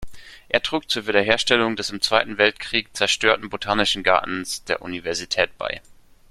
Er trug zur Wiederherstellung des im Zweiten Weltkrieg zerstörten botanischen Gartens der Universität bei.